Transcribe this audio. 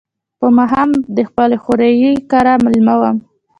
په ماښام د خپل خوریي کره مېلمه وم.